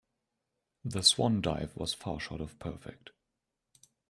The swan dive was far short of perfect.